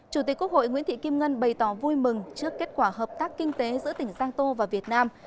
chủ tịch quốc hội nguyễn thị kim ngân bày tỏ vui mừng trước kết quả hợp tác kinh tế giữa tỉnh giang tô và việt nam